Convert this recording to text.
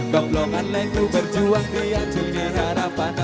kowplongan laiku berjuang kianjungi harapan